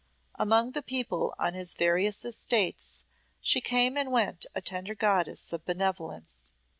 Among the people on his various estates she came and went a tender goddess of benevolence.